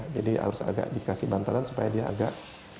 jadi harus agak dikasih bantalan supaya dia agak